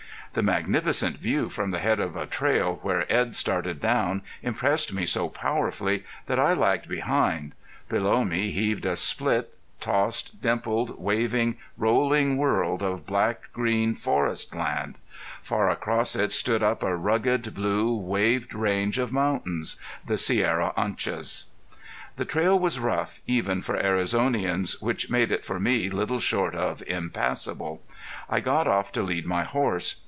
The magnificent view from the head of a trail where Edd started down impressed me so powerfully that I lagged behind. Below me heaved a split, tossed, dimpled, waving, rolling world of black green forestland. Far across it stood up a rugged, blue, waved range of mountains the Sierra Anchas. The trail was rough, even for Arizonians, which made it for me little short of impassable. I got off to lead my horse.